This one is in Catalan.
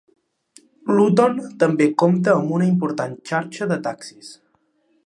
Luton també compta amb una important xarxa de taxis.